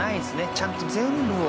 ちゃんと全部を。